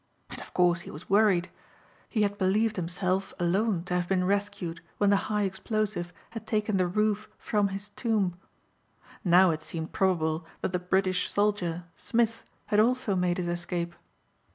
And of course he was worried. He had believed himself alone to have been rescued when the high explosive had taken the roof from his tomb. Now it seemed probable that the British soldier, Smith, had also made his escape.